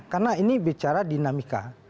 karena ini bicara dinamika